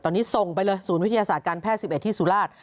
ตอนนี้ส่งไปเลยศูนย์วิทยาศาสตร์การแพทย์๑๑ที่สุราช